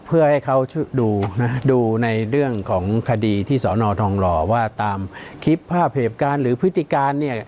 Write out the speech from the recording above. เพื่อให้เขาดูนะดูในเรื่องของคดีที่สอนอทองหล่อว่าตามคลิปภาพเหตุการณ์หรือพฤติการเนี่ย